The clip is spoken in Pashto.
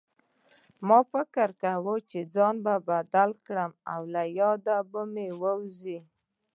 ما فکر کوه چې ځای بدل کړم له ياده به مې ووځي